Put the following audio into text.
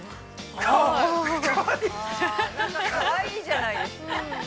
◆いいじゃないですか。